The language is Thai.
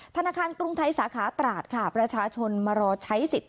ธนาคารกรุงไทยสาขาตราดค่ะประชาชนมารอใช้สิทธิ์